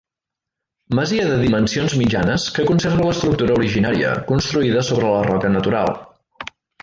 Masia de dimensions mitjanes, que conserva l'estructura originària, construïda sobre la roca natural.